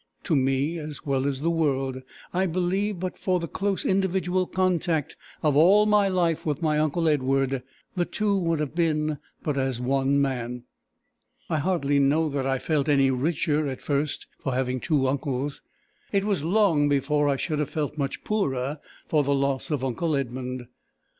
To me as well as the world, I believe, but for the close individual contact of all my life with my uncle Edward, the two would have been but as one man. I hardly know that I felt any richer at first for having two uncles; it was long before I should have felt much poorer for the loss of uncle Edmund.